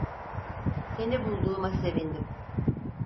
Seni bulduğuma sevindim.